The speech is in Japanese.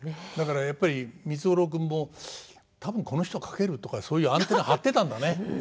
だからやっぱり三津五郎君も「多分この人書ける」とかそういうアンテナ張ってたんだね。